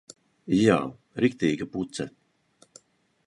Jā. Riktīga puce.